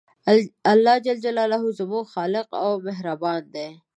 الله ج زموږ خالق او مهربان دی